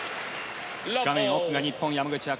画面奥が日本、山口茜